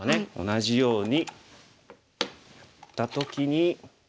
同じようにやった時に。